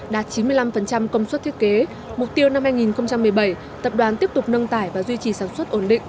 đạt chín mươi năm công suất thiết kế mục tiêu năm hai nghìn một mươi bảy tập đoàn tiếp tục nâng tải và duy trì sản xuất ổn định